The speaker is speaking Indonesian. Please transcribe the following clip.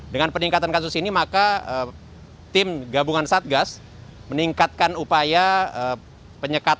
dengan peningkatan kasus ini maka tim gabungan satgas meningkatkan upaya penyekatan